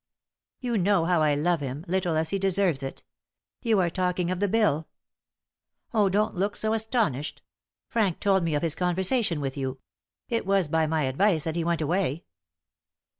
"You know how I love him, little as he deserves it. You are talking of the bill. Oh, don't look so astonished. Frank told me of his conversation with you. It was by my advice that he went away."